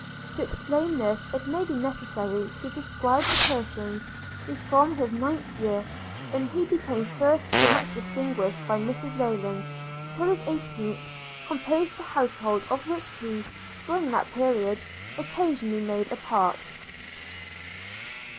– To explain this, it may be necessary to describe the persons who from his ninth year, when he became first so much distinguished by Mrs Rayland, till his eighteenth, composed the household, of which he, during that period, occasionally made a part.